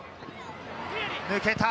抜けた。